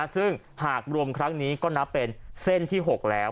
ซึ่งหากรวมครั้งนี้ก็นับเป็นเส้นที่๖แล้ว